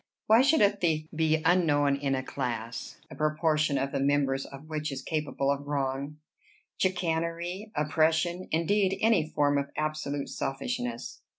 Why should a thief be unknown in a class, a proportion of the members of which is capable of wrong, chicanery, oppression, indeed any form of absolute selfishness?"